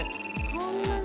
こんなに。